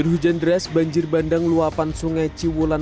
di hujan deras banjir bandang luapan sungai ciwulan